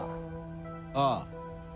ああ。